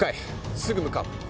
すぐ向かう。